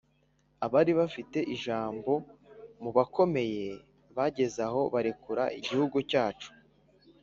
abari bafite ijambo mu bakomeye bageze aho barekura igihugu cyacu.